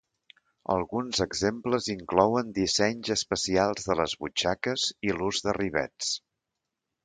Alguns exemples inclouen dissenys especials de les butxaques i l'ús de rivets.